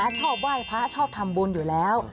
ชอบไหว้พระชอบทำบุญอยู่แล้ว